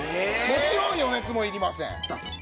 もちろん余熱もいりません。